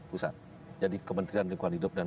pusat jadi kementerian lingkungan hidup dan